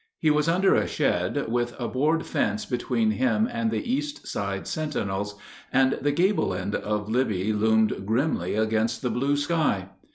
He was under a shed, with a board fence between him and the east side sentinels, and the gable end of Libby loomed grimly against the blue sky.